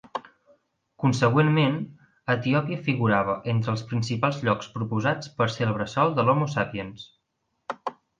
Consegüentment, Etiòpia figurava entre els principals llocs proposats per ser el bressol de l''Homo Sapiens'.